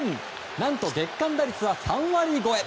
何と月間打率は３割超え。